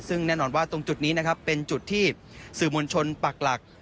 ซึ่งแน่นอนว่าตรงจุดนี้นะครับเป็นจุดที่สื่อมวลชนปักหลัก